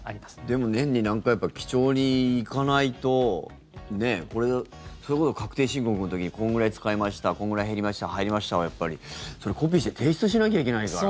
でも、年に何回か記帳に行かないとそれこそ確定申告の時にこんぐらい使いましたこんぐらい減りました入りましたは、やっぱりそれ、コピーして提出しなきゃいけないから。